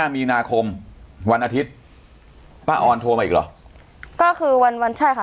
มีนาคมวันอาทิตย์ป้าออนโทรมาอีกเหรอก็คือวันวันใช่ค่ะ